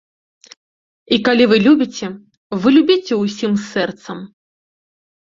І калі вы любіце, вы любіце ўсім сэрцам.